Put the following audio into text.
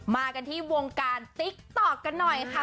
มากันที่วงการติ๊กต๊อกกันหน่อยค่ะ